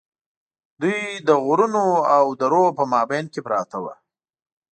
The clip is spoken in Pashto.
دوی د غرونو او درو په مابین کې پراته وو.